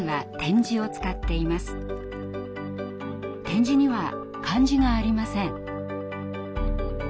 点字には漢字がありません。